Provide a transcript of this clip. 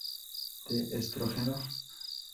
De estrógeno?